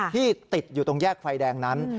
ที่ติดอยู่ตรงแยกไฟแดงนั้น